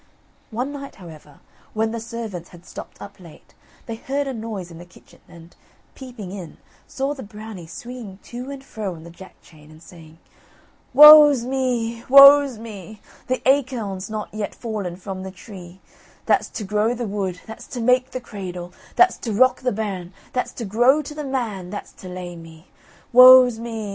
One night, however, when the servants had stopped up late, they heard a noise in the kitchen, and, peeping in, saw the Brownie swinging to and fro on the Jack chain, and saying: "Woe's me! woe's me! The acorn's not yet Fallen from the tree, That's to grow the wood, That's to make the cradle, That's to rock the bairn, That's to grow to the man, That's to lay me. Woe's me!